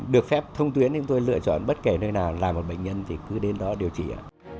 được phép thông tuyến chúng tôi lựa chọn bất kể nơi nào là một bệnh nhân thì cứ đến đó điều trị ạ